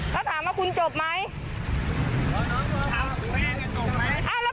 ถ้าถามว่าคุณจบไหมเอ้าแล้วพี่มาหาเรื่องก่อนไม่หาเออน้องน้องหา